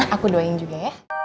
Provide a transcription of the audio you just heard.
aku doain juga ya